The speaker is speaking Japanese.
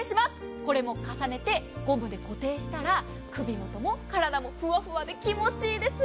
これも重ねてゴムで固定したら首元も体もふわふわで、気持ちいいですよ。